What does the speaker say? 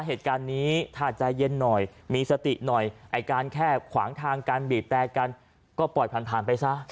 เหตุการณ์นี้ถ้าใจเย็นหน่อยมีสติหน่อยไอ้การแค่ขวางทางการบีบแต่กันก็ปล่อยผ่านผ่านไปซะ